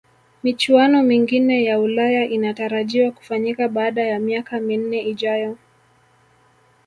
michuano mingine ya ulaya inatarajiwa kufanyika baada ya miaka minne ijayo